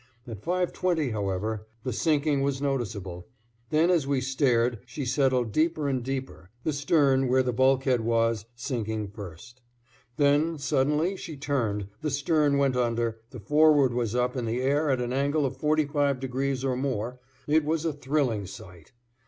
At 5:20, however, the sinking was noticeable; then as we stared she settled deeper and deeper, the stern, where the bulkhead was, sinking first; then suddenly she turned, the stern went under, the forward was up in the air at an angle of 45 degrees or more; it was a thrilling sight.